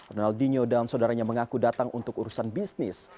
ronaldinho dan saudaranya mengaku datang untuk urusan bisnis